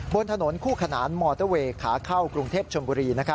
บนถนนคู่ขนานมอเตอร์เวย์ขาเข้ากรุงเทพชมบุรี